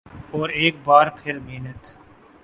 اورایک بار پھر محنت